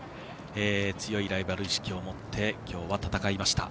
強いライバル意識を持って今日は戦いました。